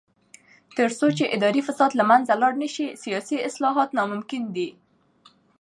تر څو چې اداري فساد له منځه لاړ نشي، سیاسي اصلاحات ناممکن دي.